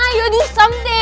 ayo lakukan sesuatu